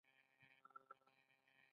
ټاکل شوې ده چې